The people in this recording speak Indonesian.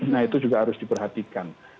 nah itu juga harus diperhatikan